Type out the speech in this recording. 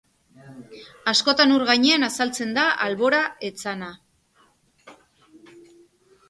Askotan ur gainean azaltzen da albora etzana.